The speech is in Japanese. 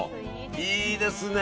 いいですね。